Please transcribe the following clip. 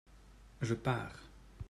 Je pars.